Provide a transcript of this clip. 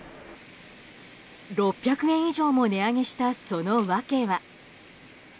６００円以上も値上げしたその訳は。